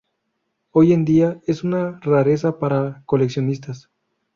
Hoy en día es una rareza para coleccionistas.